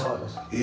え